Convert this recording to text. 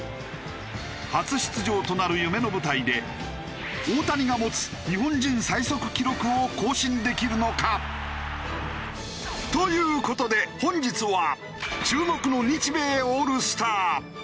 初出場となる夢の舞台で大谷が持つ日本人最速記録を更新できるのか？という事で本日は。